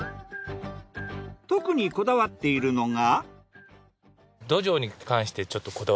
特にこだわっているのが。